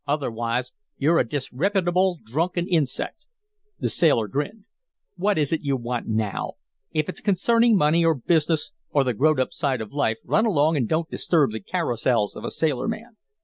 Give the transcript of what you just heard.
Otherwise, you're a disreppitable, drunken insect." The sailor grinned. "What is it you want now? If it's concerning money, or business, or the growed up side of life, run along and don't disturb the carousals of a sailorman.